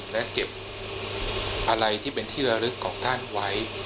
และเก็บอะไรที่เป็นที่ระลึกของท่านไว้